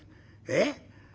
えっ？